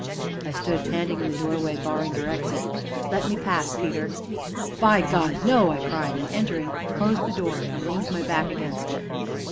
I stood panting in the doorway, barring her exit. "Let me pass, Peter." "By God no!" I cried, and, entering, closed the door, and leaned my back against it.